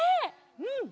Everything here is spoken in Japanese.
うん！